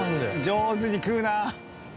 上手に食うな。